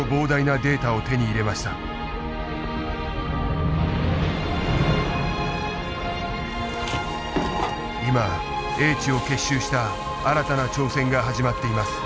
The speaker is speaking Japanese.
今英知を結集した新たな挑戦が始まっています。